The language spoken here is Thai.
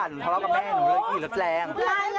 หนูทะเลาะกับแม่หนูเลยขี่รถแรง